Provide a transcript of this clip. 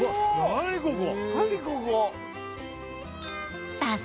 何ここ！？